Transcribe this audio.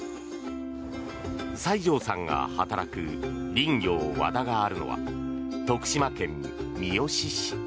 西條さんが働く林業ＷＡＤＡがあるのは徳島県三好市。